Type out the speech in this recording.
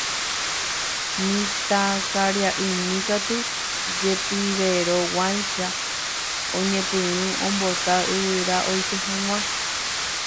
Mitãkaria'ymi katu jepiverõguáicha oñepyrũ ombota yvyra oity hag̃ua.